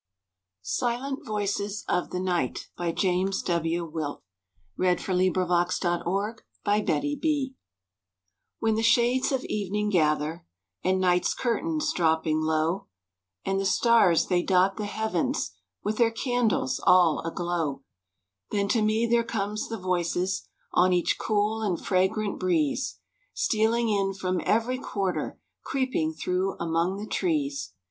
waiting for you! You are a welcome visitor—you bet. *SILENT VOICES OF THE NIGHT* When the shades of evening gather, And night's curtain's dropping low, And the stars they dot the heavens With their candles, all aglow;— Then to me there come the voices On each cool and fragrant breeze, Stealing in from every quarter, Creeping through among the trees.